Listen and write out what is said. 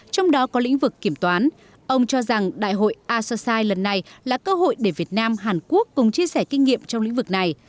trong đó có lĩnh vực kiểm toán ông cho rằng đại hội asosai lần này là cơ hội để việt nam hàn quốc cùng chia sẻ kinh nghiệm trong lĩnh vực này